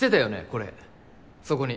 これそこに。